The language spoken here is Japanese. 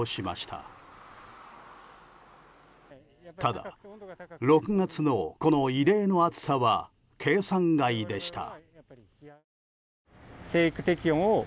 ただ、６月のこの異例の暑さは計算外でした。